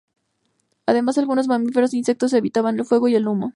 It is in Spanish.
Además, algunos mamíferos e insectos evitaban el fuego y el humo.